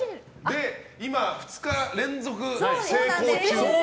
今、２日連続成功中。